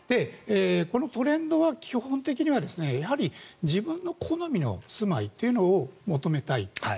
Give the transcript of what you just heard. このトレンドは基本的にはやはり自分の好みの住まいというのを求めたい。